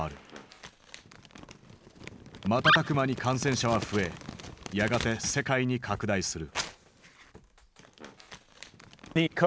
瞬く間に感染者は増えやがて世界に拡大する。